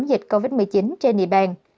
dịch covid một mươi chín trên địa bàn